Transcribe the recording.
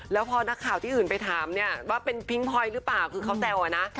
แล้วพอนักข่าวที่อื่นไปถามเนี่ยว่าเป็นพิ้งพลอยหรือเปล่าคือเขาแซวอะนะ